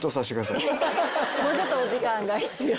もうちょっとお時間が必要。